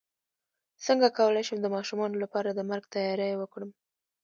څنګه کولی شم د ماشومانو لپاره د مرګ تیاری وکړم